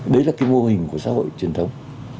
đấy là cái mô hình của xã hội truyền thống